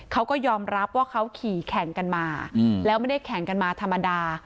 เขาก็ยอมรับว่าเขาขี่แข่งกันมาแล้วไม่ได้แข่งกันมาธรรมดา